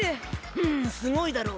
フンすごいだろう。